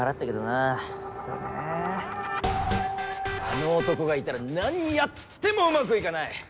あの男がいたら何やってもうまくいかない！